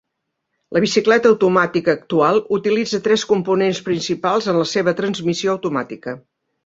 La bicicleta automàtica actual utilitza tres components principals en la seva transmissió automàtica.